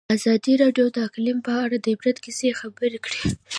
ازادي راډیو د اقلیم په اړه د عبرت کیسې خبر کړي.